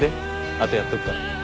あとやっとくから。